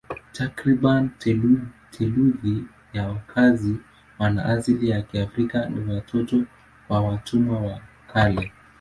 Takriban theluthi ya wakazi wana asili ya Kiafrika ni watoto wa watumwa wa kale.